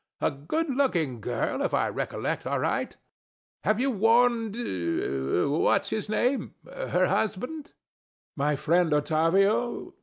A goodlooking girl, if I recollect aright. Have you warned Whatshisname her husband? DON JUAN. My friend Ottavio?